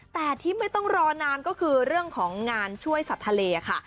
แต่ที่ไม่ต้องรอนานก็คือเรื่องของงานช่วยสัตว์ทะเลค่ะ